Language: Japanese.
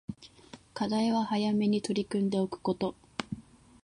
課題は早めに取り組んでおくこと